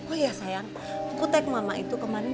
oh iya sayang kutek mama itu kemarin